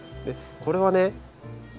これはね